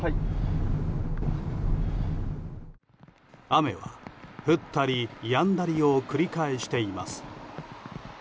雨は降ったりやんだりを繰り返しています。